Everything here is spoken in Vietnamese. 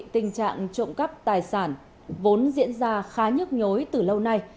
tình trạng trộm cắp tài sản vốn diễn ra khá nhức nhối từ lâu nay